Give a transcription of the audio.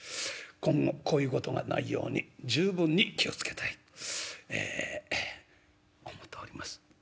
今後こういうことがないように十分に気を付けたいええ思うております」。